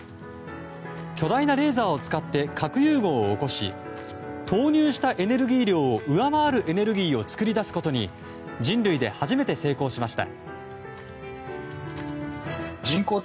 巨大なレーザーを使って核融合を起こし投入したエネルギー量を上回るエネルギーを作り出すことに人類で初めて成功しました。